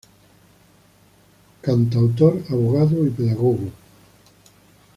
Cantautor, Abogado y Pedagogo.